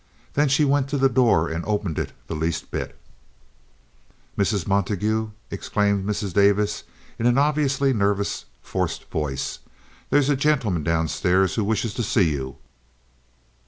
Then she went to the door and opened it the least bit. "Mrs. Montague," exclaimed Mrs. Davis, in an obviously nervous, forced voice, "there's a gentleman downstairs who wishes to see you."